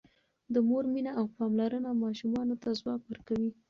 د مور مینه او پاملرنه ماشومانو ته ځواک ورکوي.